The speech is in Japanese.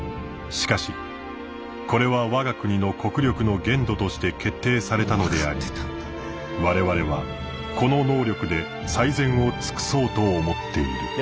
しかしこれは我が国の国力の限度として決定されたのであり我々はこの能力で最善を尽そうと思っている」。